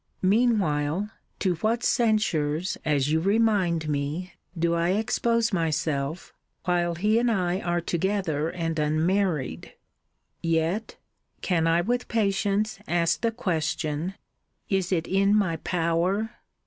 Mean while, to what censures, as you remind me, do I expose myself, while he and I are together and unmarried! Yet [can I with patience ask the question?] Is it in my power?